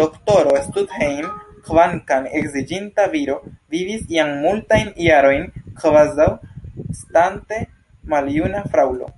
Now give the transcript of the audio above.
Doktoro Stuthejm, kvankam edziĝinta viro, vivis jam multajn jarojn kvazaŭ estante maljuna fraŭlo.